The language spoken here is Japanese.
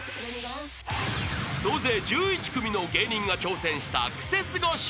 ［総勢１１組の芸人が挑戦したクセスゴ笑